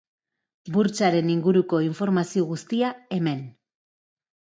Burtsaren inguruko informazio guztia, hemen.